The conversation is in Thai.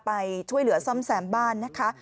ไปช่วยเหลือซ่อมแซมบ้านนะคะ